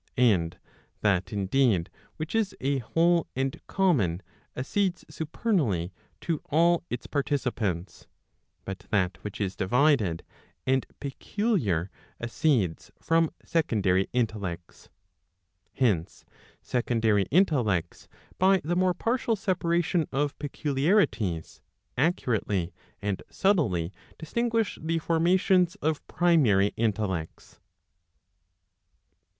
And that indeed which is a whole and common, accedes supernally to all its participants. But that which is divided and peculiar accedes from secondary intellects. Hence secondary intellects, by the more partial separation of peculiarities, accurately and subtly distinguish the formations of primary intellects.